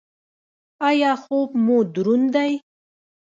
ایا خوب مو دروند دی؟